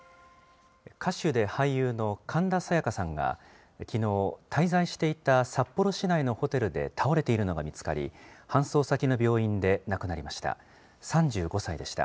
歌手で俳優の神田沙也加さんがきのう、滞在していた札幌市内のホテルで倒れているのが見つかり、搬送先の病院で亡くなりました。